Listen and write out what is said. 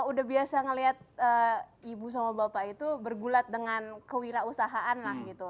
udah biasa ngeliat ibu sama bapak itu bergulat dengan kewirausahaan lah gitu